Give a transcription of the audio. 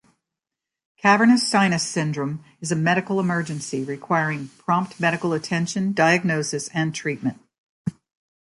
Cavernous sinus syndrome is a medical emergency, requiring prompt medical attention, diagnosis, and treatment.